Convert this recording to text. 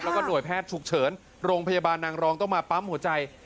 แล้วก็หน่วยแพทย์ฉุกเฉินโรงพยาบาลนางรองต้องมาปั๊มหัวใจ